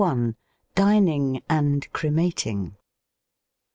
DINING AND OBEMATING.